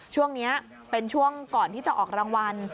ช่วงนี้เป็นช่วงก่อนที่จะออกรางวัล